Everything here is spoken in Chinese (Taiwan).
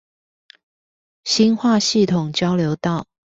新化系統交流道